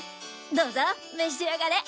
どうぞ召し上がれ。